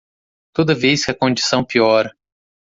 Toda vez que a condição piora